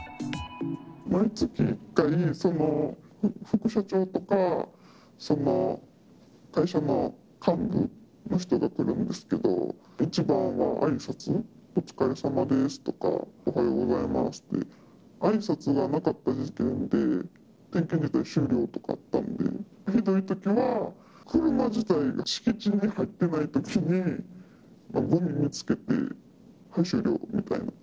毎月１回、副社長とかその会社の幹部の人が来るんですけれども、一番はあいさつ、お疲れさまですとか、おはようございますって、あいさつがなかった時点で、点検自体終了とかあったんで、ひどいときは、車自体が敷地に入っていないときに、ごみ見つけて、はい終了みたいな。